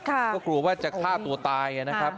ก็กลัวว่าจะฆ่าตัวตายนะครับ